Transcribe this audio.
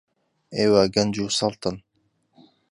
ئێوە گەنج و سەڵتن.